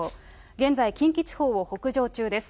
現在、近畿地方を北上中です。